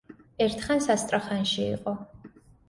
ერთხანს ასტრახანში იყო.